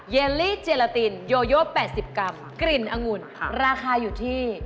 เยลลี่เจลาตินโยโย๘๐กรัมกลิ่นองุ่นราคาอยู่ที่